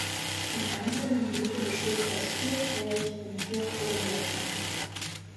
Die einzelne Blüte besteht aus vier Kelch- und vier Kronblättern.